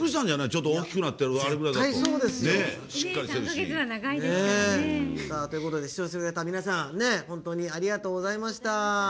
ちょっと大きくなってて。ということで視聴してくださった皆さん本当にありがとうございました。